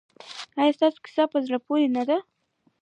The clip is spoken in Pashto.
ایا ستاسو کیسې په زړه پورې نه دي؟